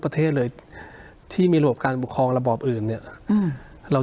ประเทศเลยที่มีระบบการปกครองระบอบอื่นเนี้ยอืมเรา